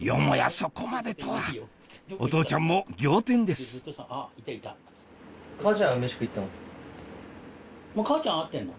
そこまでとはお父ちゃんも仰天ですあっちの？